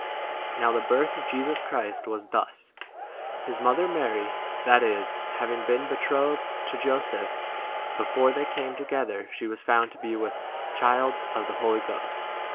18 Now the birth of Jesus Christ was thus : His mother, Mary, that is, having been betrothed to Jo seph, before they came together, she was found to be with child of 19 [the] Holy Ghost.